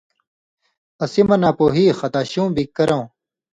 اسی مہ ناپُوہی، خطا شیوں بِگ کرؤں،